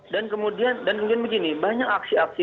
dan kemudian begini banyak aksi aksi